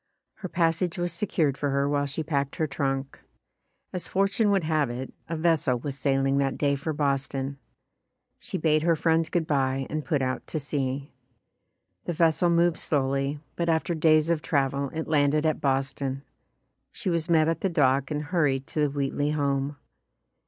Her pas sage was secured for her while she packed her trunk. As fortune would have it, a vessel was sailing that day for Boston. She bade her friends good bye and put out to sea. The vessel moved slowly, but after days of travel it landed at Bos ton. She was met at the dock and hurried to the Wheatley home.